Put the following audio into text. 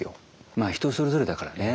まあ人ぞれぞれだからね。